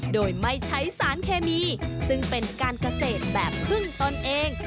โดยไม่ใช้สารเคมีซึ่งเป็นการเกษตรแบบพึ่งตนเอง